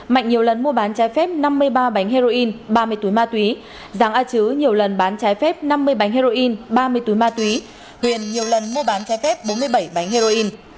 mạnh nhiều lần mua bán trái phép năm mươi ba bánh heroin ba mươi túi ma túy giàng a chứ nhiều lần bán trái phép năm mươi bánh heroin ba mươi túi ma túy huyền nhiều lần mua bán trái phép bốn mươi bảy bánh heroin